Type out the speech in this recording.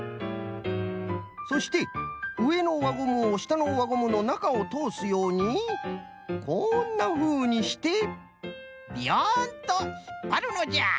そしてうえのわゴムをしたのわゴムのなかをとおすようにこんなふうにしてビヨンっとひっぱるのじゃ！